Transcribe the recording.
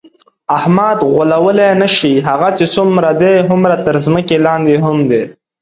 احمد غولولی نشې، هغه چې څومره دی هومره تر ځمکه لاندې هم دی.